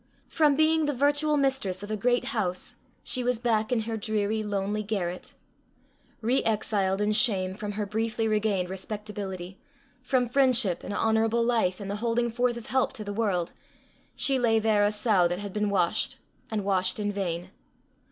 From being the virtual mistress of a great house, she was back in her dreary lonely garret! Re exiled in shame from her briefly regained respectability, from friendship and honourable life and the holding forth of help to the world, she lay there a sow that had been washed, and washed in vain!